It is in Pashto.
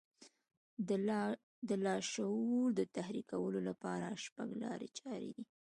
د لاشعور د تحريکولو لپاره شپږ لارې چارې دي.